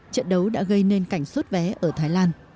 trận đấu đã gây nên cảnh suốt vé ở thái lan